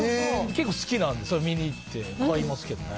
結構好きなんです、それ見に行って、買いますけどね。